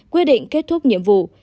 quyết định kết thúc nhiệm vụ